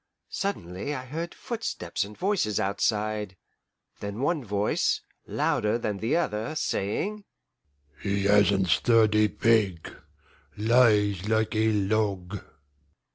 Suddenly I heard footsteps and voices outside; then one voice, louder than the other, saying, "He hasn't stirred a peg lies like a log!"